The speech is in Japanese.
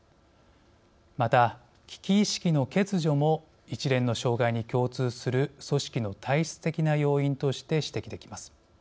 また危機意識の欠如も一連の障害に共通する組織の体質的な要因として指摘できます。